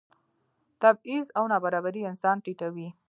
تبعیض او نابرابري انسان ټیټوي.